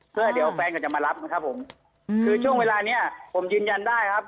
เพื่อเดี๋ยวแฟนก็จะมารับนะครับผมคือช่วงเวลาเนี้ยผมยืนยันได้ครับ